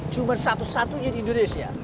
cuma satu satunya di indonesia